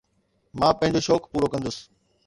مان پنهنجو شوق پورو ڪندس